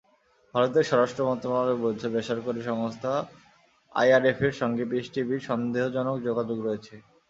ভারতের স্বরাষ্ট্র মন্ত্রণালয় বলছে, বেসরকারি সংস্থা আইআরএফের সঙ্গে পিস টিভির সন্দেহজনক যোগাযোগ রয়েছে।